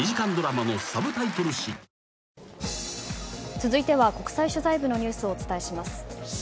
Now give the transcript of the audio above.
続いては、国際取材部のニュースをお伝えします。